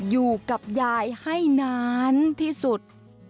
อยู่กับยายให้นานที่สุด